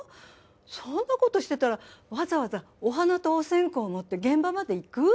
そんなことしてたらわざわざお花とお線香持って現場まで行く？